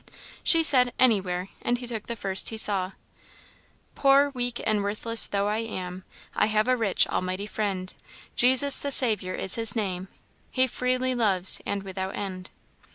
She said, "Anywhere;" and he took the first he saw. "Poor, weak, and worthless though I am, I have a rich, almighty Friend; Jesus the Saviour is his name, He freely loves, and without end."